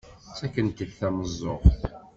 Ttakkent-d tameẓẓuɣt.